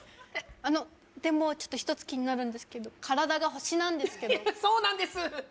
あのでも１つ気になるんですけど体が星なんですけどそうなんです